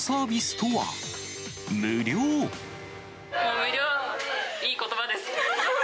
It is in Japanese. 無料、いいことばです。